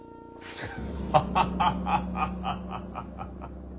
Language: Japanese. ハハハハハッ！